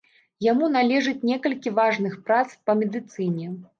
Яму належаць некалькі важных прац па медыцыне.